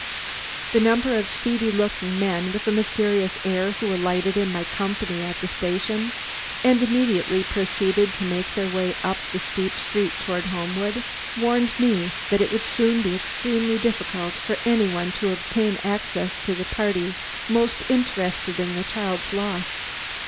The number of seedy looking men with a mysterious air who alighted in my company at station and immediately proceeded to make their way up the steep street toward Homewood, warned me that it would soon be extremely difficult for any one to obtain access to the parties most interested in the child's loss.